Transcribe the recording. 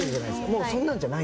もうそんなんじゃないんだ？